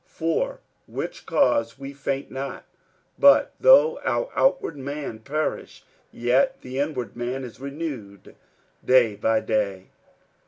47:004:016 For which cause we faint not; but though our outward man perish, yet the inward man is renewed day by day.